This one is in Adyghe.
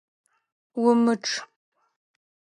Умычъ!